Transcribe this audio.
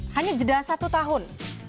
hanya jeda satu tahun